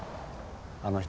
あの人